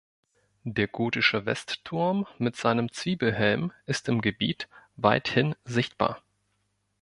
Der gotische Westturm mit seinem Zwiebelhelm ist im Gebiet weithin sichtbar.